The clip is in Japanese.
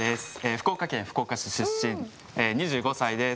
福岡県福岡市出身２５歳です。